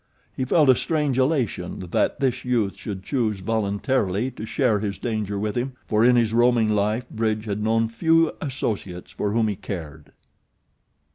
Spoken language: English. He felt a strange elation that this youth should choose voluntarily to share his danger with him, for in his roaming life Bridge had known few associates for whom he cared.